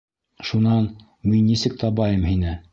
Шунан мин нисек табайым һине?